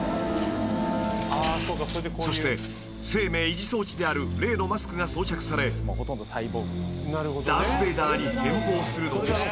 ［そして生命維持装置である例のマスクが装着されダース・ベイダーに変貌するのでした］